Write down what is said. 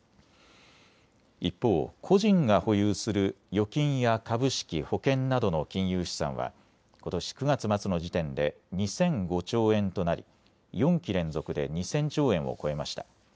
一方、個人が保有する預金や株式、保険などの金融資産はことし９月末の時点で２００５兆円となり４期連続で２０００兆円を超えました。